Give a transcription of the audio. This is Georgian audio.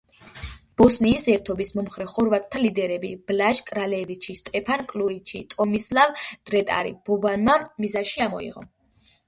ბოსნიის ერთობის მომხრე ხორვატთა ლიდერები: ბლაჟ კრალევიჩი, სტეპან კლუიჩი, ტომისლავ დრეტარი ბობანმა მიზანში ამოიღო.